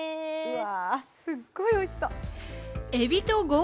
わあすごいおいしそう！